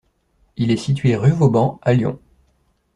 Il est situé rue Vauban, à Lyon.